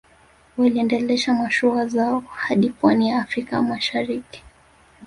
Waliendesha mashua zao hadi Pwani ya Afrika Mashariki